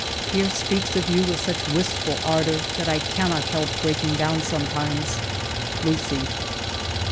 Pierre speaks of you with such wistful ardor that 1 cannot help breaking down sometimes. Lucie."